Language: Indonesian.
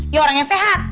ya orang yang sehat